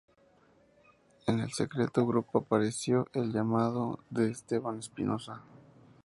En el selecto grupo apareció el llamado de Esteban Espinoza.